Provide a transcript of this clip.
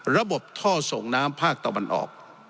ระบบท่อส่งน้ำภาคตะวันออก